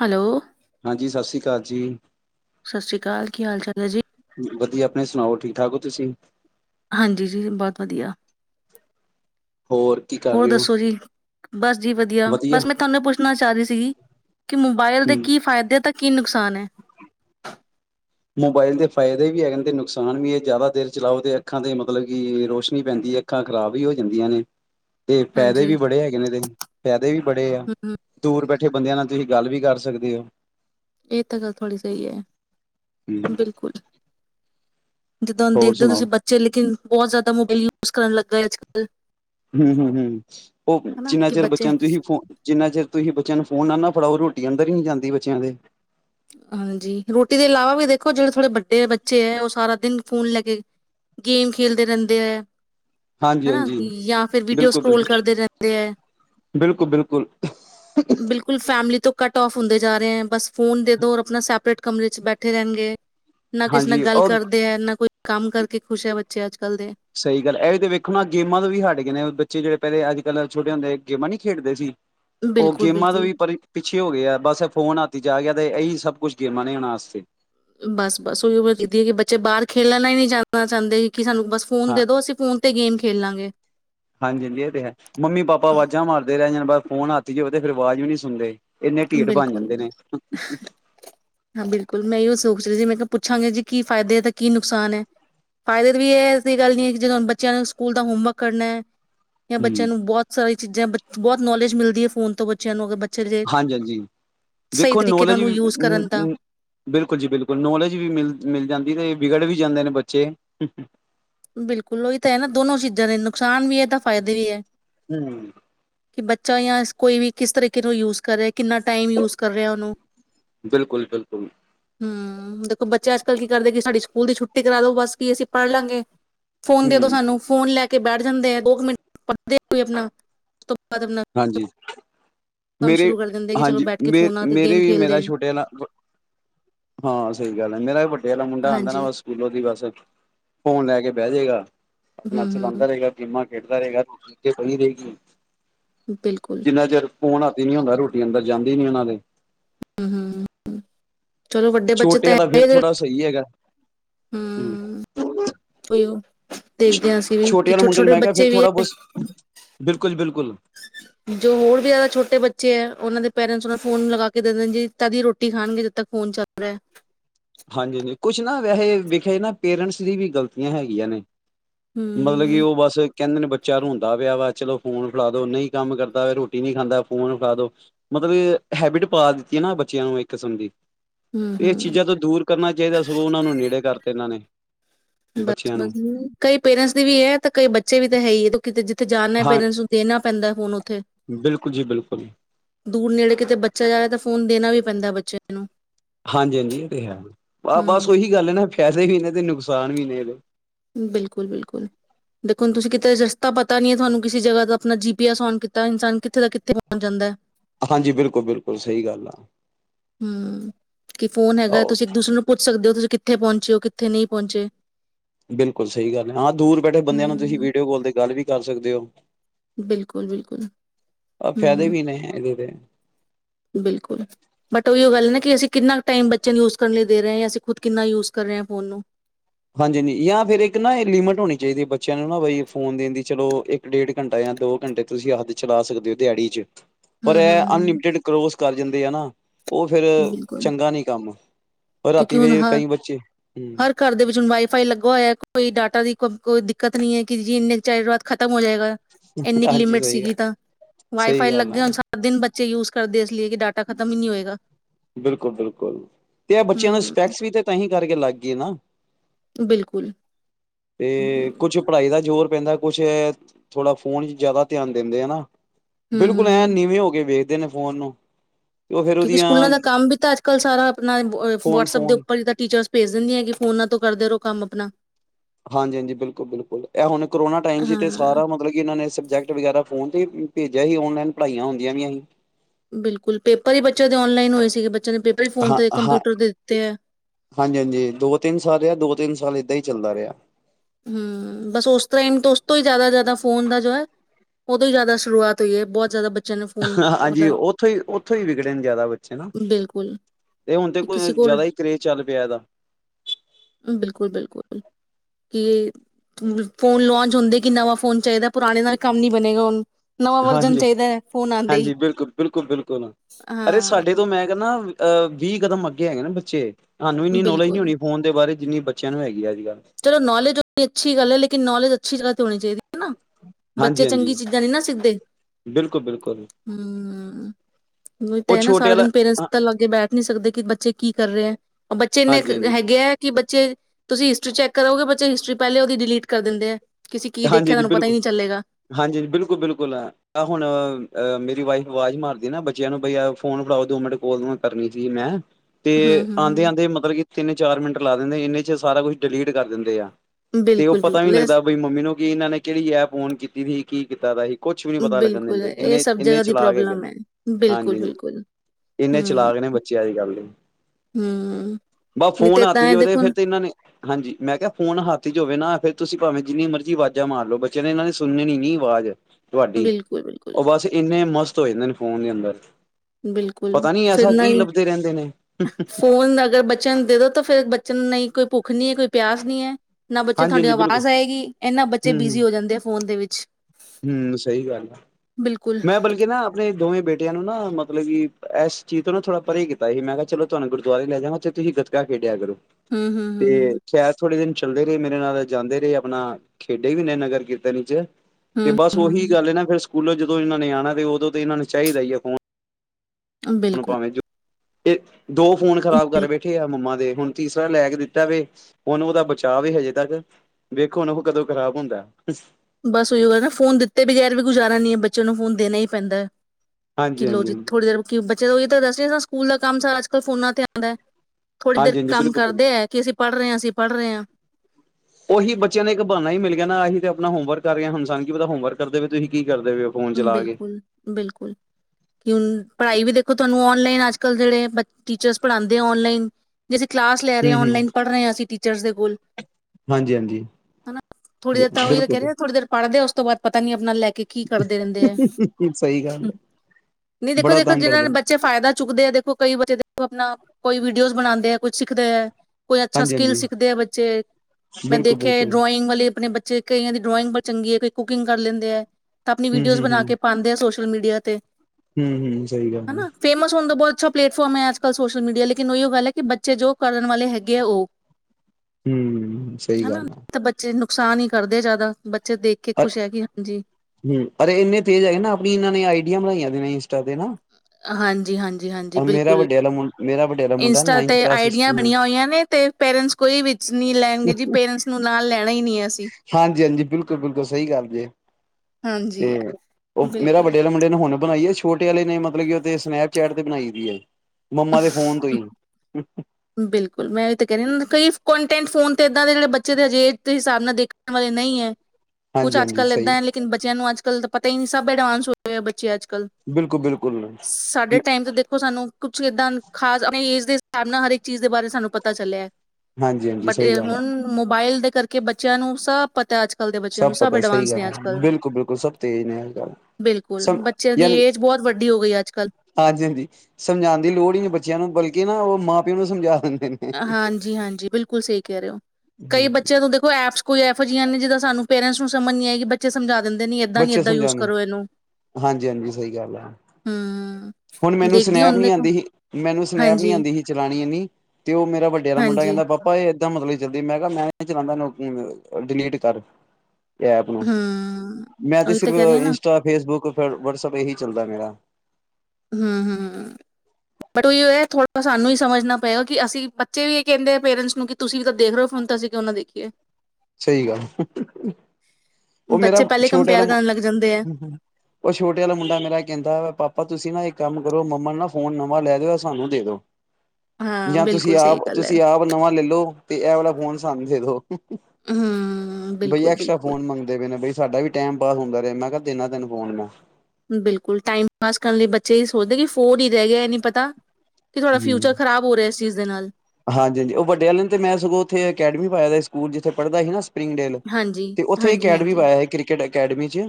Hello. [unintelligible] ਜੀ। ਸਤਿ ਸ੍ਰੀ ਅਕਾਲ ਕੀ ਹਾਲ ਚਾਲ ਹੈ ਜੀ। ਵਧੀਆ, ਆਪਣੇ ਸੁਣਾਓ ਠੀਕ, ਠਾਕ ਹੋ ਤੁਸੀਂ? ਹਾਂਜੀ ਜੀ ਬਹੁਤ ਵਧੀਆ, ਹੋਰ ਕੀ ਕਰ ਹੋਰ ਰਹੇ ਔ? ਦੱਸੋ ਜੀ? ਬਸ ਜੀ ਵਧੀਆ ਬਸ ਮੈਂ ਤੁਹਾਨੂੰ ਪੁੱਛਣਾ ਚਾ ਰਹੀ ਸੀਗੀ। ਕਿ ਮੋਬਾਇਲ ਹੂੰ ਦੇ ਕੀ ਫਾਇਦੇ ਤਾਂ ਕੀ ਨੁਕਸਾਨ ਹੈ। ਮੋਬਾਇਲ ਦੇ ਫਾਇਦੇ ਵੀ ਹੈਗੇ ਨੇ ਤੇ ਨੁਕਸਾਨ ਵੀ ਹੈ ਜ਼ਿਆਦਾ ਦੇਰ ਚਲਾਓ ਤੇ ਅੱਖਾਂ ਦੇ ਮਤਲਬ ਕਿ ਰੋਸ਼ਨੀ ਪੈਂਦੀ ਹੈ ਅੱਖਾਂ ਖ਼ਰਾਬ ਹੀ ਹੋ ਜਾਂਦੀਆਂ ਨੇ ਇਹ ਫਾਇਦੇ ਹਾਂਜੀ, ਵੀ ਬੜੇ ਹੈਗੇ ਨੇ ਦੇ ਫਾਇਦੇ ਵੀ ਬੜੇ ਆ। ਹੂੰ ਦੂਰ ਬੈਠੇ ਦੂਜੇ ਬੰਦਿਆਂ ਨਾਲ ਤੁਸੀਂ ਗੱਲ ਵੀ ਕਰ ਸਕਦੇ ਹੋ ਇਹ ਤਾਂ ਗੱਲ ਥੋੜ੍ਹੀ ਸਹੀ ਹੈ ਹੂੰ, ਬਿਲਕੁਲ ਜਿੱਦਾਂ ਹੋਰ ਦੇਖਦੇ ਹੋ ਸੁਣਾਓ ਤੁਸੀਂ ਬੱਚੇ ਲੇਕਿਨ ਬਹੁਤ ਜ਼ਿਆਦਾ ਮੋਬਾਈਲ ਕੁ ਕਰਨ ਲੱਗਾ ਅੱਜ, ਕੱਲ੍ਹ ਹੂੰ, ਹੂੰ, ਹੂੰ। ਉਹ ਜਿੰਨਾ ਕਿ ਚਿਰ ਬੱਚੇ ਬੱਚਿਆਂ ਨੂੰ ਤੁਸੀਂ ਫੋ ਜਿੰਨਾ ਚਿਰ ਤੁਸੀਂ ਬੱਚਿਆਂ ਨੂੰ ਫੋਨ ਆਨਾ ਫੜਓ ਰੋਟੀ ਅੰਦਰ ਹੀ ਨਹੀਂ ਜਾਂਦੀ ਬੱਚਿਆਂ ਦੇ ਹਾਂਜੀ। ਰੋਟੀ ਦੇ ਇਲਾਵਾ ਵੀ ਦੇਖੋ ਜਿਹੜੇ ਥੋੜੇ ਵੱਡੇ ਬੱਚੇ ਹੈ ਉਹ ਸਾਰਾ ਦਿਨ ਫ਼ੋਨ ਲੈ ਕੇ ਗੇਮ ਖੇਲਦੇ ਰਹਿੰਦੇ ਹੈ। ਹਾਂਜੀ ਹਨਾ ਹਾਂਜੀ ਜਾਂ ਫਿਰ ਵੀਡੀਓ ਬਿਲਕੁਲ ਸਕਰੋਲ ਬਿਲਕੁਲ ਕਰਦੇ ਰਹਿੰਦੇ ਹੈ। ਬਿਲਕੁਲ ਬਿਲਕੁਲ ਬਿਲਕੁਲ ਫੈਮਲੀ ਤੋਂ ਘੱਟ ਟਫ ਹੁੰਦੇ ਜਾ ਰਹੇ ਹੈ। ਬਸ ਫੋਨ ਦੇ ਦੋਰ ਆਪਣਾ ਸੈਪਰੇਟ ਕਮਰੇ ਚ ਬੈਠੇ ਰਹਿਣਗੇ ਨਾ ਕਿਸੇ ਨਾਲ ਹਾਂਜੀ ਗੱਲ ਉਹ ਕਰਦੇ ਹੈ। ਨਾ ਕੋਈ ਕੰਮ ਕਰਕੇ ਖੁਸ਼ ਹੈ। ਬੱਚਿਆਂ ਅੱਜ ਕੱਲ ਦੇ ਸਹੀ ਗੱਲ ਇਹ ਤੇ ਵੇਖੋ ਨਾ ਗੇਮਾਂ ਤੋਂ ਵੀ ਹਟ ਗਏ ਨੇ ਬੱਚੇ ਜਿਹੜੇ ਪਹਿਲੇ ਅੱਜ, ਕੱਲ੍ਹ ਛੋਟੇ ਹੁੰਦੇ ਗੇਮਾਂ ਨੀ ਖੇਡਦੇ ਸੀ ਉਹ ਬਿਲਕੁਲ ਗੇਮਾਂ ਤੋਂ ਬਿਲਕੁਲ ਵੀ ਪਰ ਪਿੱਛੇ ਹੋ ਗਏ ਆ ਬਸ ਫੋਨ ਹਥ ਜਾ ਗਿਆ ਇਹੀ ਸਭ ਕੁਝ ਗੇਮਾਂ ਨੇ ਉਹਨਾਂ ਵਾਸਤੇ ਬਸ, ਬਸ ਉਹੀ ਉਮਰਦੀ ਹੈ ਕਿ ਬੱਚੇ ਬਾਹਰ ਖੇਲਣਾ ਹੀ ਨੀ ਜਾਨਾ ਚਾਹੁੰਦੇ ਸੀ ਸਾਨੂੰ ਬਸ ਫੋਨ ਹਾਂ ਦੇ ਦੋ ਅਸੀਂ ਫ਼ੋਨ ਤੇ ਗੇਮ ਖੇਲਾਂਗੇ ਹਾਂਜੀ ਹਾਂਜੀ ਇਹ ਤੇ ਹੈ ਮੰਮੀ ਪਾਪਾ ਆਵਾਜ਼ਾਂ ਮਾਰਦੇ ਰਹਿ ਜਾਣ ਬਸ ਫੋਨ ਹੱਥ ਜਓ ਫਿਰ ਆਵਾਜ਼ ਵੀ ਨਹੀਂ ਸੁਣਦੇ ਇੰਨੇ ਢੀਠ ਬਣ ਬਿਲਕੁਲ ਜਾਂਦੇ ਨੇ ਬਿਲਕੁਲ ਹਾਂ ਬਿਲਕੁਲ ਮੈਂ ਏਹੀ ਸੋ ਚਦੀ ਮੈਂ ਕਿਹਾ ਪੁੱਛਾਂਗੇ ਜੀ ਕੀ ਫਾਇਦੇ ਦਾ ਕੀ ਨੁਕਸਾਨ ਹੈ। ਫਾਇਦੇ ਦੀ ਵੀ ਇਹ ਐ ਗੱਲ ਨੀ ਹੈ ਕਿ ਜਦੋਂ ਹੁਣ ਬੱਚਿਆਂ ਨੂੰ ਸਕੂਲ ਦਾ ਹੋਮਵਰਕ ਕਰਨਾ ਹੈ। ਜਾਂ ਬੱਚਿਆਂ ਹੂੰ ਨੂੰ ਬਹੁਤ ਸਾਰੀ ਚੀਜ਼ਾਂ ਬਹੁਤ ਨੌਲੇਜ ਮਿਲਦੀ ਹੈ ਫੋਨ ਤੋਂ ਬੱਚਿਆਂ ਨੂੰ ਅਗਰ ਬਚੇ ਹਾਂਜੀ ਹਾਂਜੀ ਦੇਖੋ ਨੌਲੇਜ ਵੀ ਕਰਨ ਤਾਂ ਨ-ਨ-ਬਿਲਕੁਲ ਜੀ ਬਿਲਕੁਲ ਨੌਲੇਜ ਵੀ ਮਿਲ ਮਿਲ ਜਾਂਦੀ ਤੇ ਵਿਗੜ ਵੀ ਜਾਂਦੇ ਨੇ ਬੱਚੇ। ਬਿਲਕੁਲ ਉਹੀ ਤਾਂ ਹੈ ਨਾ ਦੋਨੋ ਚੀਜ਼ਾਂ ਦੇ ਨੁਕਸਾਨ ਵੀ ਹੈ ਤਾਂ ਫ਼ਾਇਦੇ ਵੀ ਹੈ। ਹੂੰ ਬੱਚਾ ਜਾਂ ਕੋਈ ਵੀ ਕਿਸ ਤਰੀਕੇ ਨੂੰ ਯੂਜ ਕਰ ਰਿਹਾ। ਕਿੰਨਾ ਟਾਈਮ ਯੂਜ ਕਰ ਰਿਹਾ ਉਹਨੂੰ ਬਿਲਕੁਲ ਬਿਲਕੁਲ ਹੂੰ ਹਮ। ਦੇਖੋ ਬੱਚੇ ਅੱਜ ਕੱਲ ਕੀ ਕਰਦੇ ਕਿ ਸਾਡੀ ਸਕੂਲ ਦੀ ਛੁੱਟੀ ਕਰਾ ਦੋ। ਬਸ ਕੀ ਅਸੀਂ ਪੜ ਲਾਂਗੇ। ਫੋਨ ਦੇ ਹੂੰ ਦੋ ਸਾਨੂੰ, ਫੋਨ ਲੈ ਕੇ ਕੇ ਬੈਠ ਜਾਂਦੇ ਆ। ਦੋ ਕੁ ਮਿੰਟ ਪੜਦੇ ਆ ਆਪਣਾ ਬਾਅਦ ਆਪਣਾ ਹਾਂਜੀ। ਕੰਮ ਮੇਰੇ ਸ਼ੁਰੂ ਕਰ ਦਿੰਦੇ ਕਿ ਚਲੋ ਹਾਂਜੀ ਬੈਠ ਕੇ ਮੇ ਫੋਨਾਂ ਤੇ ਗੇਮ ਮੇਰੇ ਵੀ, ਮੇਰਾ ਖੇਲਦੇ ਆ ਛੋਟੇ ਵਾਲਾ ਵ ਹਾਂ। ਸਹੀ ਗੱਲ ਹੈ ਮੇਰਾ ਵੀ ਵਡ ਵੱਡੇ ਵਾਲਾ ਮੁੰਡਾ ਆਉਂਦਾ ਹਾਂਜੀ ਨਾ, ਬਸ ਸਕੂਲੋਂ ਦੀ ਬਸ ਫੋਨ ਲੈ ਕੇ ਬਹਿ ਜੇਗਾ। ਅਪਣਾ ਹਮ ਹਮ ਚਲਾਂਦਾ ਰਹੇਗਾ ਗੇਮਾ ਖੇਡਦਾ ਰਹੇਗਾ, ਸਿਹਤ ਬਨਣੀ ਰਹੇਗੀ। ਬਿਲਕੁਲ ਜਿੰਨਾ ਚਿਰ ਫੋਨ ਹੱਥ ਚ ਨੀ ਹੁੰਦਾ। ਰੋਟੀ ਅੰਦਰ ਜਾਂਦੀ ਨੀ ਇਹਨਾਂ ਦੇ ਹਮ- ਹਮ। ਚਲੋ ਵੱਡੇ ਬੱਚੇ ਛੋਟੇ ਤਾਂ ਵਾਲਾ ਹੈ। ਫਿਰ ਥੋੜਾ ਸਹੀ ਹੈਗਾ ਹਮ, ਓਹੀਓ ਛੋਟੇ ਵਾਲੇ ਮੁੰਡੇ ਨੂੰ ਮੈਂ ਕਿਹਾ- ਫੇਰ ਵੀ ਹੈ ਥੋੜਾ ਬਹੁਤ ਬਿਲਕੁਲ- ਬਿਲਕੁਲ। ਜੋ ਹੋਰ ਵੀ ਜ਼ਿਆਦਾ ਛੋਟੇ ਬੱਚੇ ਹੈ। ਉਹਨਾਂ ਦੇ ਪੇਰੈਂਟਸ ਉਹ ਫੋਨ ਲਗਾ ਕੇ ਦੇਨ ਜੀ ਤਦੀ ਰੋਟੀ ਖਾਣਗੇ। ਜਦ ਤੱਕ ਫੋਨ ਚੱਲ ਰਿਹਾ ਹੈ। ਹਾਂਜੀ- ਹਾਂਜੀ ਕੁਛ ਨਾ ਵੈਸੇ ਵੇਖਿਆ ਨਾ ਪੇਰੈਂਟਸ ਦੀ ਵੀ ਗ਼ਲਤੀਆਂ ਹੈਗੀਆਂ ਨੇ। ਮਤਲਬ ਕੀ ਹੂੰ ਉਹ ਬਸ ਕਹਿੰਦੇ ਨੇ ਬੱਚਾ ਰੌਂਦਾ ਪਿਆ ਵਾ। ਚਲੋ ਫੋਨ ਫੜਾ ਦੋ ਨਹੀਂ ਕੰਮ ਕਰਦਾ, ਰੋਟੀ ਨਹੀਂ ਖਾਂਦਾ, ਫੋਨ ਫੜਾ ਦੋ ਮਗਰ ਐ ਹੈਬਿਟ ਪਾ ਦਿੱਤੀ ਹੈ। ਨਾ ਬੱਚਿਆਂ ਨੂੰ ਇੱਕ ਕਿਸਮ ਦੀ ਹੂੰ ਇਹ ਚੀਜ਼ਾਂ ਹੂੰ ਤੋਂ ਦੂਰ ਕਰਨਾ ਚਾਹੀਦਾ। ਸਗੋਂ ਉਹਨਾਂ ਨੂੰ ਨੇੜੇ ਕਰਤੇ ਇਹਨਾਂ ਨੇ ਬਸ- ਬੱਚਿਆਂ ਬਸ ਨੂੰ ਕਈ ਪੇਰੈਂਟਸ ਦੀ ਵੀ ਹੈ। ਤੇ ਕਈ ਬੱਚੇ ਵੀ ਤਾਂ ਹੈ ਹੀ ਹੈ। ਕਿਤੇ ਤੇ ਜਾਣਾ ਐ ਹਾਂ ਪੇਰੈਂਟਸ ਨੂੰ ਦੇਣਾ ਪੈਂਦਾ। ਹੁਨ ਹੈ। ਬਿਲਕੁਲ ਜੀ ਬਿਲਕੁਲ ਦੂਰ ਨੇੜੇ ਕਿਤੇ ਬੱਚਾ ਜਾਵੇ ਤਾਂ ਫੋਨ ਦੇਣਾ ਵੀ ਪੈਂਦਾ ਬੱਚੇ ਨੂੰ ਹਾਂਜੀ- ਹਾਂਜੀ ਓਹ ਤੇ ਹੈ ਆ, ਬਸ ਹੂੰ ਉਹੀ ਗੱਲ ਐ ਨਾ। ਫੇਦੇ ਵੀ ਨੇ ਤੇ ਨੁਕਸਾਨ ਵੀ ਨੇ ਇਹਦੇ ਬਿਲਕੁਲ ਬਿਲਕੁਲ ਦੇਖੋ ਹੁਣ, ਤੁਸੀਂ ਕਿਤੇ ਰਸਤਾ ਪਤਾ ਨੀ ਤੁਹਾਨੂੰ ਕਿਸੇ ਜਗ੍ਹਾ ਦਾ ਆਪਣਾ ਜੀ ਪੀ ਐਸ ਨ ਕੀਤਾ ਇਨਸਾਨ ਕਿਥੇ ਦਾ ਕਿਥੇ ਪਹੁੰਚ ਜਾਂਦਾ। ਹਾਂਜੀ। ਬਿਲਕੁਲ-ਬਿਲਕੁਲ ਸਹੀ ਗੱਲ ਆ। ਹਮ, ਕਿ ਫੋਨ ਹੈਗਾ ਆਹੋ ਤੁਸੀਂ ਇੱਕ ਦੂਸਰੇ ਨੂੰ ਪੁੱਛ ਸਕਦੇ ਹੋ। ਤੁਸੀਂ ਕਿ ਕਿੱਥੇ ਪਹੁੰਚੇ, ਉਹ ਕਿੱਥੇ ਨਹੀਂ ਪਹੁੰਚੇ। ਬਿਲਕੁਲ ਸਹੀ ਗੱਲ ਹੈ। ਹਾਂ, ਦੂਰ ਬੈਠੇ ਬੰਦਿਆਂ ਨੂੰ ਤੁਸੀਂ ਹੂੰ ਵੀਡੀਓ ਕਾਲ ਦੀ ਗੱਲ ਵੀ ਕਰ ਸਕਦੇ ਹੋ। ਬਿਲਕੁਲ, ਬਿਲਕੁਲ, ਅ ਫਾਇਦੇ ਹੂੰ, ਵੀ ਨੇ ਇਹਦੇ ਤੇ। ਬਿਲਕੁਲ ਬਟ ਉਹੀ ਗੱਲ ਨਾ ਕਿ ਅਸੀਂ ਕਿੰਨਾ ਕੁ ਟਾਈਮ ਬੱਚਿਆਂ ਨੂੰ ਯੂਜ ਕਰਨ ਲਈ ਦੇ ਰਹੇ ਅਸੀਂ ਖੁਦ ਕਿੰਨਾ ਯੂਜ ਕਰ ਰਹੇ ਆ ਫੋਨ ਨੂੰ। ਹਾਂਜੀ-ਹਾਂਜੀ ਜਾਂ ਫੇਰ ਇੱਕ ਨਾ ਇਹ ਲਿਮਿਟ ਹੋਣੀ ਚਾਹੀਦੀ ਹੈ ਬੱਚਿਆਂ ਨੂੰ ਨਾ ਬਈ ਫੋਨ ਦੇਣ ਦੀ ਚਲੋ ਇੱਕ ਡੇਢ ਘੰਟਾ ਜਾਂ ਦੋ ਘੰਟੇ ਤੁਸੀਂ ਹੱਦ ਚਲਾ ਸਕਦੇ ਹੋ ਦਿਹਾੜੀ ਚ। ਪਰ ਹੂੰ, ਹੂੰ, ਇਹ ਹੂੰ, ਅਨਲਿਮਿਟਡ ਕਰੋਸ ਕਰ ਜਾਂਦੇ ਆ ਨਾ। ਉਹ ਫੇਰ ਬਿਲਕੁਲ ਚੰਗਾ ਨੀ ਕੰਮ। ਪਰ ਕਿਉਂਕਿ ਰਾਤੀ ਹੁਣ ਫੇਰ ਕਈ ਬੱਚੇ ਹੂੰ ਫਾਈ ਲੱਗਾ ਹੋਇਆ ਕੋਈ ਡਾਟਾ ਦੀ ਕ ਕੋਈ ਦਿੱਕਤ ਨੀ ਹੈ ਕਿ ਜਿੰਨੇ [unintelligible] ਖਤਮ ਹੋ ਜਾਏਗਾ। ਇੰਨੀ ਕੁ ਹਾਂਜੀ ਲਿਮਿਟ ਸਹੀ ਗੱਲ ਸੀਗੀ ਤਾਂ ਸਹੀ ਵਾਈਫਾਈ ਗੱਲ ਆ ਲੱਗੇ ਹੁਣ ਸਾਰਾ ਦਿਨ ਬ ਯੂਜ ਕਰਦੇ ਲਈਏ ਕਿ ਡਾਟਾ ਖਤਮ ਹੀ ਨਹੀਂ ਹੋਏਗਾ। ਬਿਲਕੁਲ-ਬਿਲਕੁਲ। ਤੇ ਇਹ ਬੱਚਿਆਂ ਨੂੰ ਹੂੰ, ਸਪੈਕਸ ਵੀ ਤੇ ਤਾਂਹੀ ਕਰਕੇ ਲੱਗ ਗੇ ਨਾ ਬਿਲਕੁਲ। ਹੂੰ, ਤੇ ਕੁਛ ਪੜ੍ਹਾਈ ਦਾ ਜ਼ੋਰ ਪੈਂਦਾ ਕੁਛ ਥੋੜਾ ਫੋਨ ਚ ਜ਼ਿਆਦਾ ਧਿਆਨ ਦਿੰਦੇ ਹਨਾ। ਹੂੰ, ਬਿਲਕੁਲ ਐਂ ਹੂੰ। ਨੀਵੇਂ ਹੋ ਗਏ ਵੇ ਨੇ ਫੋਨ ਨੂੰ। ਤੇ ਉਹ ਫੇਰ ਕਿਉਂਕਿ ਉਹਦੀਆਂ ਸਕੂਲਾਂ ਦਾ ਕੰਮ ਵੀ ਤਾਂ ਅੱਜ ਕੱਲ ਸਾਰਾ ਆਪਣਾ ਫੋਨ ਵਟਸਐਪ ਦੇ ਫੋਨ ਉੱਪਰ ਹੀ ਟੀਚਰਸ ਭੇਜ ਦਿੰਦੀ ਆ ਕਿ ਫੋਨਾ ਤੋਂ ਕਰਦੇ ਰਹੋ ਕੰਮ। ਆਪਣਾ। ਹਾਂਜੀ-ਹਾਂਜੀ ਬਿਲਕੁਲ-ਬਿਲਕੁਲ ਇਹ ਹੁਣ ਕਰੋਨਾ ਟਾਈਮ ਸੀ ਤੇ ਹਾਂ, ਸਾਰਾ ਮਤਲਬ ਕਿ ਇਹਨਾਂ ਨੇ ਸਬਜੈਕਟ ਵਗੈਰਾ ਫੋਨ ਤੇ ਹੀ ਭੇਜਿਆ ਸੀ ਔਨਲਾਈਨ ਪੜ੍ਹਾਈਆਂ ਹੁੰਦੀਆਂ ਪਈਆਂ ਹੀ ਸੀ। ਬਿਲਕੁਲ ਪੇਪਰ ਹੀ ਬੱਚਿਆਂ ਦੇ ਔਨਲਾਈਨ ਹੋਏ ਸੀਗੇ ਬੱ ਹਾਂ, ਹਾਂ ਹਾਂਜੀ-ਹਾਂਜੀ ਦੋ ਤਿੰਨ ਸਾਲ ਰਹੀਆ ਦੋ ਤਿੰਨ ਸਾਲ ਏਦਾਂ ਹੀ ਚੱਲਦਾ ਰਿਹਾ। ਹਮ ਬਸ ਉਸ ਟਾਈਮ ਉਸ ਤੋਂ ਹੀ ਜ਼ਿਆਦਾ-ਜ਼ਿਆਦਾ ਫੋਨ ਦਾ ਜੋ ਹੈ ਉਦੋਂ ਹੀ ਜ਼ਿਆਦਾ ਸ਼ੁਰੂਆਤ ਹੋਈ ਹੈ ਬਹੁਤ ਜ਼ਿਆਦਾ ਬੱ ਹਾਂਜੀ ਉੱਥੋਂ ਹੀ ਉੱਥੋਂ ਹੀ ਵਿਗੜੇ ਨੇ ਜ਼ਿਆਦਾ ਬੱਚੇ ਨਾ ਬਿਲਕੁਲ ਤੇ ਹੁਣ ਤੇ ਕਿ ਕੋ ਕਿਸੇ ਕੋਲ ਜ਼ਿਆਦਾ ਹੀ ਕਰੇਜ ਚੱਲ ਪਿਆ ਇਹਦਾ। ਬਿਲਕੁਲ ਬਿਲਕੁਲ ਕਿ ਫੋਨ ਲਾਂਚ ਹੁੰਦੇ ਕਿ ਨਵਾਂ ਫੋਨ ਚਾਹੀਦਾ ਪੁਰਾਣੇ ਨਾਲ ਕੰਮ ਨੀ ਬਣੇਗਾ ਹੁਣ। ਨਵਾਂ ਵਰਜਨ ਚਾਹੀਦਾ ਹੈ ਫੋਨ ਆਉਂਦੇ ਹੀ ਹਾਂਜੀ-ਹਾਂਜੀ ਬਿਲਕੁਲ-ਬਿਲਕੁਲ ਅਰੇ ਹਾਂ ਸਾਡੇ ਤੋਂ ਮੈਂ ਕਹਿਣਾ ਅਹ ਵੀਹ ਕਦਮ ਅੱਗੇ ਹੈਗੇ ਨੇ ਬੱਚੇ। ਸਾਨੂੰ ਇੰਨੀ ਨੌਲੇਜ ਨਹੀਂ ਬਿਲਕੁਲ ਹੋਣੀ ਫੋਨ ਦੇ ਬਾਰੇ ਜਿੰਨੀ ਬੱਚਿਆਂ ਨੂੰ ਹੈਗੀ ਅੱਜ ਕੱਲ੍ਹ। ਚਲੋ ਨੌਲੇਜ ਹੋਣੀ ਅਛੀ ਗੱਲ ਹੈ ਲੇਕਿਨ ਨੌਲੇਜ ਅੱਛੀ ਜਗ੍ਹਾ ਤੇ ਹੋਣੀ ਚਾਹੀਦੀ ਹਨਾ ਹਾਂਜੀ ਬੱਚੇ ਹਾਂਜੀ ਚੰਗੀ ਚੀਜ਼ਾਂ ਨੀ ਨਾ ਸਿੱਖਦੇ ਬਿਲਕੁਲ ਬਿਲਕੁਲ ਹ। ਉਹੀ ਤਾਂ ਉਹ ਹੈ ਨਾ ਛੋਟੇ ਸਾਰਾ ਵਾਲਾ ਦਿਨ ਪੇਰੈਂਟਸ ਹਾਂ, ਤਾਂ ਲਾਗੇ ਬੈਠ ਨੀ ਸਕਦੇ ਕਿ ਬੱਚੇ ਕੀ ਕਰ ਰਹੇ ਹੈ ਬੱਚੇ ਇੰਨੇ ਹਾਂਜੀ ਹਾਂਜੀ ਹੈਗੇ ਹੈ ਕਿ ਤੁਸੀਂ ਹਿਸਟਰੀ ਚੈੱ ਕਰੋਗੇ ਬੱਚੇ ਹਿਸਟਰੀ ਪਹਿਲੇ ਉਹਦੀ ਡਿਲੀਟ ਕਰ ਦਿੰਦੇ ਆ। ਤੁਸੀਂ ਕੀ ਦੇਖਿਆ ਹਾਂਜੀ-ਹਾਂਜੀ ਤੁਹਾਨੂੰ ਪਤਾ ਹੀ ਬਿਲਕੁਲ ਨਹੀਂ ਚੱਲੇਗਾ ਹਾਂਜੀ ਬਿਲਕੁਲ-ਬਿਲਕੁਲ ਆ ਹੁਣ ਮੇਰੀ ਵਾਈ ਆਵਾਜ਼ ਮਾਰਦੀ ਨਾ ਬੱਚਿਆਂ ਨੂੰ ਬਈ ਫੋਨ ਫੜਾਓ ਦੋ ਮਿੰਟ ਕੋਲ ਕਰਨੀ ਸੀ ਮੈਂ। ਹੂੰ ਤੇ ਹੂੰ ਆਉਂਦੇ-ਆਉਂਦੇ ਮਤਲਬ ਕਿ ਤਿੰਨ ਚਾਰ ਮਿੰਟ ਲਾ ਦਿੰਦੇ ਆ ਇਹਨੇ ਚ ਸਾਰਾ ਕੁੱਛ ਡਿਲੀਟ ਕਰ ਦਿੰਦੇ ਆ। ਹੂੰ ਤੇ ਉਹ ਬਿਲਕੁਲ ਪਤਾ ਨੀ ਬਿਲਕੁਲ ਇਸ ਲੱਗਦਾ ਬਈ ਇਹਨਾਂ ਨੇ ਕਿਹੜੀ ਐਪ ਓਨ ਕੀਤੀ ਦੀ ਕੀ ਕੀਤਾ ਦਾ ਸੀ। ਕੁਛ ਵੀ ਨੀ ਪਤਾ ਲੱਗਣ ਬਿਲਕੁਲ ਦਿੰਦੇ ਇਹ ਇੰਨੇ, ਸਭ ਇੰਨੇ ਜਗ੍ਹਾ ਦੀ ਚਲਾਕ ਹੈਗੇ ਨੇ ਪ੍ਰੋਬਲਮ ਹੈ ਬਿਲਕੁਲ ਹਾਂਜੀ ਬਿਲਕੁਲ ਇੰਨੇ ਹੂੰ ਚਲਾਕ ਨੇ ਬੱਚੇ ਅੱਜ ਕੱਲ ਦੇ। ਹੂੰ ਨਹੀਂ ਤੇ ਫੋਨ ਹੱਥ ਏਦਾਂ ਹੈ ਹੋਵੇ ਦੇਖੋ ਫਿਰ ਨਾ, ਤੇ ਇਹਨਾਂ ਨੇ ਹਾਂਜੀ ਮੈਂ ਕਿਹਾ ਫੋਨ ਹੱਥ ਹੋਵੇ ਨਾ ਫੇਰ ਤੁਸੀਂ ਭਾਵੇਂ ਜਿੰਨੀ ਮਰ ਆਵਾਜ਼ਾਂ ਮਾਰਲੋ ਬੱਚੇ ਨੇ ਇਹਨਾਂ ਨੇ ਸੁਣਣੀ ਨੀ ਆਵਾਜ਼। ਤੁਹਾਡੀ ਬਿਲਕੁਲ ਉਹ ਬਿਲਕੁਲ ਬਸ ਇੰਨੇ ਮਸ ਹੋ ਜਾਂਦੇ ਨੇ ਫੋਨ ਦੇ ਅੰਦਰ। ਬਿਲਕੁਲ ਪਤਾ ਨੀ ਫਿਰ ਐਸਾ ਕੀ ਨਹੀਂ ਲੱਭਦੇ ਰਹਿੰਦੇ ਨੇ ਫੋਨ ਅਗਰ ਬੱਚਿਆਂ ਨੂੰ ਦੇ ਦੋ ਤਾਂ ਫਿਰ ਬੱਚੇ ਨਹੀਂ ਕੋਈ ਭੁੱਖ ਨੀ ਹੈ ਕੋਈ ਪਿਆਸ ਨੀ ਹੈ। ਨਾ ਬੱਚੇ ਹਾਂਜੀ ਤੁਹਾਡੀ ਹਾਂਜੀ ਬਿਲਕੁਲ ਆਵਾਜ਼ ਆਏਗੀ ਇਹਨਾ ਬੱਚੇ ਹੂੰ ਹੂੰ ਬਿਜ਼ੀ ਹੋ ਜਾਂਦੇ ਆ ਫੋਨ ਦੇ ਵਿੱਚ ਹੂੰ ਸਹੀ ਗੱਲ ਬਿਲਕੁਲ। ਚਿਆਂ ਨੂੰ ਨਾ ਮਤਲਬ ਕਿ ਇਸ ਚੀਜ਼ ਤੋਂ ਨਾ ਥੋੜਾ ਪਰੇ ਕੀਤਾ ਸੀ ਮੈਂ ਕਿਹਾ ਚਲੋ ਤੁਹੂੰ ਗੁਰਦੁਆਰੇ ਲੈ ਜਾਂਗਾ ਤੇ ਤੁਸੀਂ ਗਤਕਾ ਖੇਡਿਆ ਕਰੋ। ਹੂੰ, ਹੂੰ, ਹੂੰ, ਤੇ ਹੂੰ, ਸ਼ਾਇਦ ਥੋੜੇ ਦਿਨ ਚੱਲਦੇ ਮੇਰੇ ਨਾਲ ਜਾਂਦੇ ਰਹੇ ਆਪਣਾ ਖੇਡੇ ਵੀ ਨੇ ਨਗਰ ਕੀਰਤਨ ਇੱਚ। ਤੇ ਹੂੰ, ਬਸ ਹੂੰ, ਉਹੀ ਹੂੰ, ਗੱਲ ਨਾ ਫੇਰ ਸਕੂਲੋਂ ਜਦੋਂ ਇਹਨਾਂ ਨੇ ਆਉਣਾ ਤੇ ਉਦੋਂ ਤਾਂ ਇਹਨਾਂ ਨੂੰ ਚਾਹੀਦਾ ਹੀ ਆ ਫੋਨ। ਬਿਲਕੁਲ। ਇਹ ਦੋ ਫੋਨ ਖਰਾਬ ਕਰ ਬਿਲਕੁਲ, ਬੈਠੇ ਆ ਮੰਮਾ ਦੇ ਹੁਣ ਤੀਸਰਾ ਲੈ ਕੇ ਦਿੱਤਾ ਵ ਉਹਨੂੰ ਉਹਦਾ ਬਚਾਅ ਵ ਹਜੇ ਤੱਕ ਵੇਖੋ ਉਹਨੂੰ ਉਹ ਕਦੋਂ ਖ਼ਰਾਬ ਹੁੰਦਾ ਬਸ ਉਹੀੋ ਗੱਲ ਨਾ ਫੋਨ ਦਿੱਤੇ ਬਗੈਰ ਵੀ ਗੁਜ਼ਾਰਾ ਨਹੀਂ ਹੈ ਬੱਚਿਆਂ ਨੂੰ ਫੋਨ ਦੇਣਾ ਹੀ ਪੈਂਦਾ ਹੈ ਹਾਂਜੀ ਕਿਲੋ ਹਾਂਜੀ ਜੀ ਹਾਂਜੀ ਥੋੜ੍ਹੀ ਦੇਰ ਬੱਚੇ ਤੋਂ ਦੱਸ ਰ ਸਕੂਲ ਦਾ ਕੰਮ ਅੱਜ ਕਲ ਫੋਨਾਂ ਤੇ ਆਉਂਦਾ ਹੈ ਥੋੜ੍ਹੀ ਦੇਰ ਹਾਂਜੀ ਹਾਂਜੀ ਕੰਮ ਬਿਲਕੁਲ ਕਰਦੇ ਹੈ ਕਿ ਅਸੀਂ ਪੜ੍ਹ ਰਹੇ ਹਾਂ ਅਸੀਂ ਪੜ੍ਹ ਰਹੇ ਹਾਂ ਉਹੀ ਬੱਚਿਆਂ ਨੇ ਇੱਕ ਬਹਾਨਾ ਹੀ ਮਿਲ ਗਿਆ ਨਾ ਅਸੀਂ ਤੇ ਆਪਣਾ ਹੋਮਵਰਕ ਕਰ ਰਹੇਾਂ ਹੁਸਾਨ ਕੀ ਪਤਾ ਹੋਮਵਰਕ ਕਰਦੇਵੇ ਤੁਸੀਂ ਕੀ ਕਰਦੇ ਪਏ ਹੋ ਫੋਨ ਚਲਾ ਕੇ ਬਿਲਕੁਲ ਬਿਲਕੁਲ ਕਿ ਹੁਣ ਪੜ੍ਹਾਈ ਵੀ ਦੇਖੋ ਤੁਹਾਨੂੰ ਆ ਨਲਾਈਨ ਅੱਜ ਕਲ ਜਿਹੜੇ ਟੀਚਰ ਪੜਾਂਦੇ ਆ ਔਨਲਾਈਨ ਜ ਕਲਾਸ ਲੈ ਰਹੇ ਹੂੰ ਹਾਂ ਹੂੰ ਔਨਲਾਈਨ ਪੜ੍ਹ ਰਹੇ ਹਾਂ ਅਸੀਂ ਟੀਚਰਸ ਦੇ ਕੋਲ ਹਾਂਜੀ ਹਾਂਜੀ ਹਨਾ ਥੋੜੀ ਦੇਰ ਤਾਂ ਉਹੀ ਕਹਿ ਬਿਲਕੁਲ ਰਹੇ ਥੋੜੀ ਦੇਰ ਪੜ੍ਹਦੇ ਤੋਂ ਬਾਅਦ ਪਤਾ ਨੀ ਆਪ ਨਾਲ ਲੈ ਕੇ ਕਰਦੇ ਰਹਿੰਦੇ ਹੈ ਸਹੀ ਗੱਲ ਹੈ ਨਹੀਂ ਦੇਖੋ ਬੜਾ ਦੇਖੋ ਤੰਗ ਜਿਹਨਾਂ ਕਰਦੇ ਨੇ। ਬੱਚੇ ਫਾਇਦਾ ਚੁੱਕਦੇ ਆ ਦੇਖੋ ਕਈ ਬੱਚੇ ਦੇ ਉਹ ਆਪਣਾ ਕੋਈ ਵੀਡੀਓਜ਼ ਬਣਾਉਂਦੇ ਹੈ ਕੁਛ ਸਿੱਖਦੇ ਹੈ ਕੋਈ ਅੱਛਾ ਹਾਂਜੀ ਸਕਿੱਲ ਹਾਂਜੀ ਸਿੱਖਦੇ ਆ ਬੱਚੇ ਮੈਂ ਬਿਲਕੁਲ ਦੇਖਿਆ ਬਿਲਕੁਲ ਡਰੋਇੰਗ ਵਾਲੇ ਆਪਣੇ ਕਈਆਂ ਦੀ ਡਰੋਇੰਗ ਬ ਚੰਗੀ ਹੈ ਕੋਈ ਕੁਕਿੰਗ ਕਰ ਲੈਂਦੇ ਹੈ ਆਪਣੀ ਹੂੰ ਵੀਡੀਓਜ਼ ਹੂੰ ਬਣਾ ਹੂੰ ਕੇ ਪਾਉਂਦੇ ਆ ਸੋਸ਼ਲ ਮੀਡੀਆ ਤੇ ਹੂੰ ਹੂੰ ਸਹੀ ਗੱਲ ਹੈ। ਹਨਾ ਫੇਮਸ ਹੋਣ ਦਾ ਬਹੁਤ ਅੱਛਾ ਪਲੇਟਫਾਰਮ ਹੈ ਅੱਜ ਕੱਲ ਸੋਸ਼ਲ ਮੀਡੀਆ ਲੇਕਿਨ ਉੋ ਗੱਲ ਹੈ ਕਿ ਬੱਚੇ ਜੋ ਕਰਨ ਵਾਲੇ ਹੈਗੇ ਹੈ ਉਹ ਹਮ ਸਹੀ ਹਨਾ ਗੱਲ ਆ ਤਾਂ ਬੱਚੇ ਨੁਕਸਾਨ ਹੀ ਕਰਦੇ ਜ਼ਿਆਦਾ ਅੱਛਾ ਦੇਖ ਕੇ ਖੁਸ਼ ਹੈ ਜੀ ਪਰ ਇੰਨੇ ਤੇਜ਼ ਆਏ ਨਾ ਆਪਣੀ ਇਹਨਾਂ ਨੇ ਆਈਡੀਆ ਬਣਾਈਆਂ ਦੇਣੇ ਇੰਸਟਾ ਤੇ ਨਾ ਹਾਂਜੀ ਹਾਂਜੀ ਹਾਂਜੀ ਮੇਰਾ ਬਿਲਕੁਲ ਵੱਡੇ ਵਾਲਾ ਮੁੰ ਮੇਰਾ ਵੱਡੇ ਵਾਲਾ ਮੁੰਡਾ ਇੰਸਟਾ ਨਾਈਨਥ ਤੇ ਕਲਾਸ ਵਿੱਚ ਆਈਡੀਆਂ ਬਣੀਆਂ ਹੋਈਆਂ ਨੇ ਤੇ ਪੇਰੈਂਟਸ ਕੋਈ ਵਿੱਚ ਨਹੀਂ ਲੈਣਗੇ ਜੀ ਪੇਰੈਂਟਸ ਨੂੰ ਨਾਲ ਲੈਣਾ ਹੀ ਨਹੀਂ ਅਸੀਂ ਹਾਂਜੀ ਹਾਂਜੀ ਬਿਲਕੁਲ ਬਿਲਕੁਲ ਸਹੀ ਗੱਲ ਜੇ ਹਾਂਜੀ ਤੇ ਉਹ ਮੇਰਾ ਬਿਲਕੁਲ ਵੱਡੇ ਵਾਲੇ ਮੁੰਡੇ ਨੇ ਹੁਣ ਬਣਾਈਏ ਛੋਟੇ ਵਾਲੇ ਨੇ ਮਤਲਬ ਕਿ ਉਹਥੇ ਸਨੈਪਚੈਟ ਤੇ ਬਣਾਈ ਦੀ ਹੈ ਮੰਮਾ ਦੇ ਫੋਨ ਤੋਂ ਹੀ ਬਿਲਕੁਲ ਮੈਂ ਇਹ ਤਾਂ ਕਹਿਣੀ ਹ ਕਈ ਟ ਫੋਨ ਤੇ ਇਏਦਾਂ ਦੇ ਜਿਹੜੇ ਬੱਚੇ ਦੇ ਹਜੇ ਹਿਸਾਬ ਨਾਲ ਦੇਖਣ ਵਾਲੇ ਨਹੀਂ ਹੈ ਕੁਛ ਹਾਂਜੀ ਅੱਜ ਹਾਂਜੀ ਕੱਲ ਸਹੀ ਇੱਦਾਂ ਹੈ ਲੇਕਿ ਬੱਚ ਨੂੰ ਅੱਜ ਕਲ ਤਾਂ ਪਤਾ ਹੀ ਨਹੀਂ ਸਭ ਐਡਵਾਂਸ ਹੋਏਆ ਬੱਚੇ ਅੱਜ ਬਿਲਕੁਲ ਬਿਲਕੁਲ ਸਾਡੇ ਟਾਈਮ ਤੇ ਦੇਖੋ ਸਾਨੂੰ ਕੇ ਦਾਨ ਖਾਸ ਅ ਇਸ ਦੇ ਹਿਸਾਬ ਨਾਲ ਹਰ ਇੱਕ ਚੀਜ਼ ਬਾਰੇ ਸਾਨੂੰ ਪਤਾ ਚੱਲਿਆ ਹਾਂਜੀ ਹਾਂਜੀ ਬਟ ਸਹੀ ਗੱਲ ਆ ਹੁਣ ਮੋਬਾਇਲ ਦੇ ਕਰਕੇ ਬੱਚਿਆਂ ਨੂੰ ਸਭ ਪਤਾ ਅੱਜ ਕ ਦੇ ਬੱਚਿਆਂ ਨੂੰ ਸਭ ਪਤਾ ਸਹੀ ਅਡਵਾਂਸ ਗੱਲ ਨੇ ਅੱਜ ਹੈ ਕੱਲ ਬਿਲਕੁਲ ਬਿਲਕੁਲ ਸਭ ਤੇਜ਼ ਨੇ ਅੱਜ ਕੱਲ ਬਿਲਕੁਲ ਸਭ ਬੱਚਿਆਂ ਦੀ ਯਾਨੀ ਏਜ ਬਹੁਤ ਵੱਡੀ ਹੋ ਗਈ ਅੱਜ ਕੱਲ ਹਾਂਜੀ ਹਾਂਜੀ ਸਮਝਾਉਣ ਦੀ ਲੋੜ ਹੀ ਨਹੀਂ ਬੱਚਿਆਂ ਨੂੰ ਬਲਕਿ ਨਾ ਉਹ ਮਾਂ ਪਿਓ ਨੂੰ ਸਮਝਾ ਦਿੰ ਹਾਂਜੀ ਹਾਂਜੀ ਬਿਲਕੁਲ ਸਹੀ ਕਹਿ ਰਹੇ ਹੋ ਕਈ ਬੱਚਿਆਂ ਤੋਂ ਦੇਖੋ ਐਪਸ ਕੋਈ ਇਹੋ ਜਿਹੀ ਨੇ ਜਿੱਦਾਂ ਸਾਨੂੰ ਪੇਰਟ ਨੂੰ ਸਮਝੀਏ ਬੇ ਸਮਝਾ ਦਿੰਦੇ ਨੇ ਏਦਾਂ ਨੀ ਬੱਚੇ ਏਦਾਂ ਯੂਜ ਸਮਝਾਉਂਦੇ ਕਰੋ ਇਹਨੂੰ ਹਾਂਜੀ ਹਾਂਜੀ ਸਹੀ ਗੱਲ ਹੈ ਹੂੰ, ਹੁਣ ਮੈਨੂੰ ਦੇਖਦੀ ਸਨੈਪ ਹੁਣ ਨਹੀਂੀ ਦੇਖੋ ਆਉਂਦੀ ਸੀ ਮੈਨੂੰ ਸਨੈਪ ਨੀ ਆਉਂਦੀ ਹਾਂਜੀ-ਹਾਂਜੀ, ਸੀ ਚਲਾਣੀ ਇਨੀ ਤੇ ਉਹ ਮੇਰਾ ਵੱਡੇਰਾ ਮੁੰਡਾ ਕਹਿੰਦਾ ਪਾਪਾ ਇਹ ਏਦਾਂ ਮਤਲਬ ਚੱਲਦੀ ਮੈਂ ਕਿਹਾ ਮੈਂ ਚਲਾਦਾ ਇਹਨੂੰ ਡਿਲੀਟ ਕਰ। ਇਹ ਐਪ ਨੂੰ, ਹੂੰ। ਮੈਂ ਤੇ ਉਹੀ ਤਾਂ ਕਹਿ ਰਹੀ ਆ ਸਿਰਫ ਨਾ ਇੰਸਟਾ ਫੇਸਬੁੱਕ ਵਟਸਐਪ ਇਹੀ ਚੱਲਦਾ ਮੇਰਾ, ਹੂੰ-ਹੂੰ, ਬਟ ਉਹੀ ਹੈ ਥੋੜ੍ਹਾ ਸਾਨੂੰ ਹੀ ਸਮਝਣਾ ਪਏਗਾ ਕਿ ਅਸੀਂ ਬੱਚੇ ਵੀ ਇਹ ਕਹਿੰਦੇ ਆ ਪੇਰੈਂਟਸ ਨੂੰ ਕਿ ਤੁਸੀਂ ਵੀ ਤਾਂ ਦੇਖ ਰਹੇ ਹੋ ਫੋਨ ਤਾਂ ਅਸੀਂ ਕਿਉਂ ਨਾ ਦੇਖੀਏ। ਸਹੀ ਗੱਲ, ਉਹ ਮੇਰਾ ਬੱਚੇ ਪਹਿਲੇ ਛੋਟੇ ਵਾਲਾ ਕੰਪੇਅਰ ਕਰਨ ਲੱਗ ਜਾਂਦੇ ਆ ਉਹ ਛੋਟੇ ਵਾਲਾ ਮੁੰਡਾ ਮੇਰਾ ਕਹਿੰਦਾ ਪਾਪਾ ਤੁਸੀਂ ਨਾ ਇੱਕ ਕੰਮ ਕਰੋ ਮੰਮਾ ਨਾ ਫੋਨ ਨੰਮਾ ਲੈ ਦਿਓ ਐ ਸਾਨੂੰ ਦੇ ਦਿਓ। ਹਾਂ, ਜਾਂ ਤੁਸੀਂ ਬਿਲਕੁਲ ਸਹੀ ਆਪ ਗੱਲ ਹੈ ਤੁਸੀਂ ਆਪ ਨਵਾਂ ਲੈਲਓ। ਤੇ ਇਹ ਵਾਲਾ ਫੋਨ ਸਾਨੂੰ ਦੇਦੋ, ਹੂੰ, ਬਈ ਐਕਸਟਰਾ ਬਿਲਕੁਲ-ਬਿਲਕੁਲ। ਫੋਨ ਮੰਗਦੇ ਪਏ ਨੇ ਬਈ। ਸਾਡਾ ਵੀ ਟਾਈਮ ਪਾਸ ਹੁੰਦਾ ਰਿਹਾ ਮੈਂ ਕਿਹਾ ਤਿੰਨਾਂ ਦਿਨ ਫੋਨ ਮੈਂ ਬਿਲਕੁਲ ਟਾਈਮ ਪਾਸ ਕਰਨ ਲਈ ਬੱਚੇ ਹੀ ਸੋਚਦੇ ਕਿ ਫੋਰ ਹੀ ਰਹਿ ਗਿਆ ਨਹੀਂ ਪਤਾ। ਕਿ ਤੁਹਾਡਾ ਹ ਫਿਊਚਰ ਖ਼ਰਾਬ ਹੋ ਰਿਹਾ ਇਸ ਚੀਜ਼ ਦੇ ਨਾਲ ਹਾਂਜੀ-ਹਾਂਜੀ ਉਹ ਵੱਡੇ ਵਾਲਿਆਂ ਤੇ ਮੈਂ ਸਗੋਂ ਉੱਥੇ ਅਕੈਡਮੀ ਪਾਇਆ ਦਾ ਸਕੂਲ ਜਿੱਥੇ ਪੜ੍ਹਦਾ ਸੀ ਨਾ, ਹਾਂਜੀ, ਤੇ ਉੱਥੇ ਹਾਂਜੀ, ਅਕੈਡਮੀ ਪਾਇਆ ਹੈ ਕ੍ਰਿਕਟ ਅਕੈਡਮੀ ਚ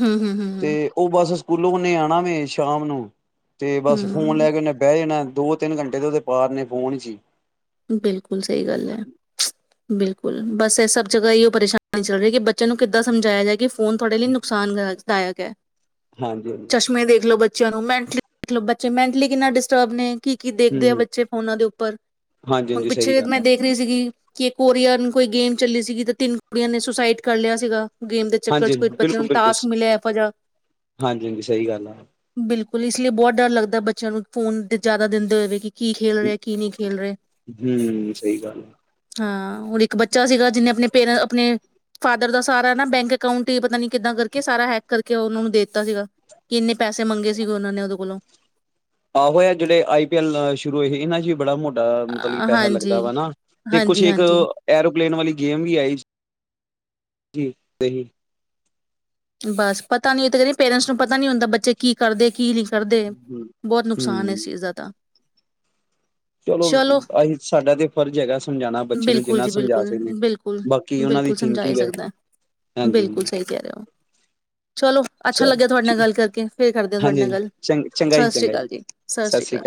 ਹੂੰ-ਹੂੰ-ਹੂੰ-ਹੂੰ, ਤੇ ਉਹ ਬਸ ਸਕੂਲੋਂ ਔਨੇ ਆਣਾ ਵੈਂ ਸ਼ਾਮ ਨੂੰ ਤੇ ਬਸ ਫੋਨ ਲੈ ਹੂੰ ਕੇ ਨਾ ਦੋ ਤਿੰਨ ਘੰਟੇ ਦੇ ਉਹਦੇ ਪਾਰ ਨੇ ਫੋਨ ਚ ਬਿਲਕੁਲ ਸਹੀ ਗੱਲ ਹੈ ਬਿਲਕੁਲ, ਸਕੁਲ ਬਸ ਇਸ ਸਭ ਜਗ੍ਹਾ ਇ ਪਰੇਸ਼ਾਨੀ ਚੱਲ ਰਹੀ ਕਿ ਬੱਚਿਆਂ ਨੂੰ ਕਿੱਦਾਂ ਸਮਝਾਇਆ ਜਾਏ ਕਿ ਫੋਨ ਤੁਹਾਡੇ ਨੁਕਸਾਨ ਕਰ ਪਾਇਆ ਗਿਆ। ਹਾਂਜੀ ਹਾਂਜੀ ਚਸ਼ਮੇ ਦੇਖ ਲੋੋ ਬੱਚੇ ਬੱਚਿਆਂ ਨੂੰ ਮਤਲਬ ਬੱਚੇ ਮੈਂਟਲੀ ਕਿੰਨਾ ਡਿਸਟਰਬ ਨੇ ਕੀ ਕੀ ਹੂੰ ਦੇਖਦੇ ਆ ਹੂੰ ਬੱਚੇ ਫੋਨਾਂ ਦੇ ਉੱਪਰ ਹਾਂਜੀ ਹੁਣ ਹਾਂਜੀ ਸਹੀ ਪਿੱਛੇ ਜ ਗੱਲ ਮੈਂ ਆ ਦੇਖ ਰਹੀ ਸੀਗੀ। ਕਿ ਕੋਰੀਆ ਨੂੰ ਕੋਈ ਗੇਮ ਚੱਲੀ ਸੀਗੀ ਤਾਂ ਤਿੰਨ ਕੁੜੀਆਂ ਨੇ ਸੁਸਾਈਡ ਕਰ ਲਿਆ ਸੀਗਾ। ਗੇਮ ਦੇ ਚੱਕਰ ਹਾਂਜੀ ਚ ਕੋਈ ਹਾਂਜੀ ਬੱਚਿਆਂ ਬਿਲਕੁਲ ਨੂੰ ਬਿਲਕੁਲ ਟਾਸਕ ਮਿਲਿਆ ਐਜਹਾ ਹਾਂਜੀ ਹਾਂਜੀ ਸਹੀ ਗੱਲ ਆ ਬਿਲਕੁਲ ਇਸ ਲਈ ਬਹੁਤ ਡਰ ਲੱਗਦਾ ਬੱਚਿਆਂ ਨੂੰ ਫੋਨ ਦੇ ਜ਼ਿਆਦਾ ਦਿੰਦੇ ਹੋਏ ਵੇਖੀ, ਕੀ ਖੇਲ ਰਿਹਾ ਕੀ ਨਹੀਂ ਖੇਲ ਰਿਹਾ। ਹਮ ਸਹੀ ਗੱਲ ਹੈ ਹਾਂ ਹੁਰ ਇੱਕ ਬੱਚਾ ਸੀਗਾ ਜਿਹਨੇ ਆਪਣੇ ਪੇਰ ਆਪਣੇ ਫਾਦਰ ਦਾ ਸਾਰਾ ਨਾ ਬੈਂਕ ਅਕਾਊਂਟ ਹੀ ਪਤਾ ਨੀ ਕਿੱਦਾਂ ਕਰਕੇ ਸਾਰਾ ਹੈਕ ਕਰਕੇ ਉਹਨਾਂ ਨੂੰ ਦੇ ਦਿੱਤਾ ਸੀਗਾ ਕਿ ਇੰਨੇ ਪੈਸੇ ਮੰਗੇ ਸੀਗੇ ਉਹਨਾਂ ਨੇ ਉਹਦੇ ਕੋਲੋਂ ਆਹੋਆ ਜਿਹੜੇ ਆਈ ਪੀ ਐਲ ਸ਼ੁਰੂ ਹੋਏ ਸੀ ਇਹਨਾਂ ਚ ਵੀ ਬੜਾ ਮੋਟਾ ਤੁਡਾ ਮਤਲਬ ਕੀ ਅ, ਪੈਸਾ ਲੱਗਦਾ ਹਾਂਜੀ ਵਾ ਨਾ ਤੇ ਕੁਛ ਹਾਂਜੀ ਹਾਂਜੀ ਇੱਕਰ ੈਣ ਵਾਲੀ ਗੇਮ ਵੀ ਆਈ ਬਸ ਪਤਾ ਨੀ ਉਹ ਕਹ ਪੇਰੈਂਟਸ ਨੂੰ ਪਤਾ ਨੀ ਹੁੰਦਾ ਬੱਚੇ ਕੀ ਕਰਦੇ ਕੀ ਲਿਖਦੇ ਕਰਦੇ ਹੂੰ ਬਹੁਤ ਨੁਕਸਾਨ ਹੈ ਇਸ ਹੂੰ ਚੀਜ਼ ਦਾ ਤਾਂ ਚਲੋ ਅਸੀਂ ਸਾਡਾ ਤੇ ਫਰਜ਼ ਹੈਗਾ ਸਮਝਾਉਣਾ ਬੱਚੇ ਨੂੰ ਬਿਲਕੁਲ ਜਿੰਨਾ ਜੀ ਸਮਝਾ ਬਿਲਕੁਲ ਸਕਦੇ ਹ ਬਿਲਕੁਲ ਬਾਕੀ ਉਹਨਾਂ ਦੀ ਬਿਲਕੁਲ ਸਮਝਾਇਆ ਥਿੰਕਿੰਗ ਹੈ ਸਕਦਾ ਹਾਂਜੀ ਬਿਲਕੁਲ ਹਾਂਜੀ ਸਹੀ ਕਹਿ ਰਹੇ ਹੋ ਚਲੋ ਅੱਛਾ ਚਲ ਲੱਗਿਆ ਤੁਹਾਡੇ ਨਾਲ ਹਾਂਜੀ ਗੱਲ ਕਰਕੇ ਫੇਰ ਕਰਦੇ ਹ ਤੁਹਾਡੇ ਨਾਲ ਹਾਂਜੀ ਗੱਲ ਚੰ ਚੰਗਾ ਜੀ ਸਤਿ ਸ੍ਰੀ ਚੰਗਾ ਅਕਾਲ ਜੀ ਸਤਿ ਸ੍ਰੀ ਅਕਾਲ